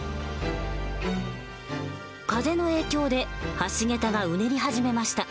風の影響で橋桁がうねり始めました。